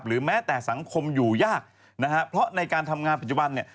แม้แต่สังคมอยู่ยากนะฮะเพราะในการทำงานปัจจุบันเนี่ย